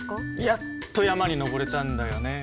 やっと山に登れたんだよね。